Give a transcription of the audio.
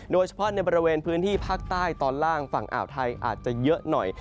โดยเฉพาะในบริเวณพื้นที่ภาคใต้ตอนล่างฝั่งอ่าวไทยอาจจะเยอะหน่อย